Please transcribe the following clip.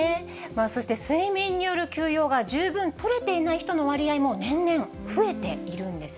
そして睡眠による休養が十分とれていない人の割合も年々増えているんです。